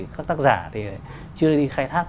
các tác giả chưa đi khai thác